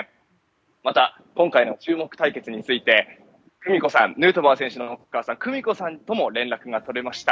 また、今回の注目対決についてヌートバー選手のお母さん久美子さんと連絡が取れました。